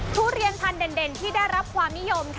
ทุเรียนพันธุ์เด่นที่ได้รับความนิยม